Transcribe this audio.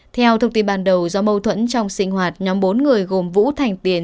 theo thông tin ban đầu do mâu thuẫn trong sinh hoạt nhóm bốn người gồm vũ thành tiền